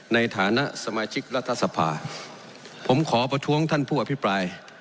ในฐานะสมาชิกรัฐสภาผมขอประท้วงท่านผู้อภิปราย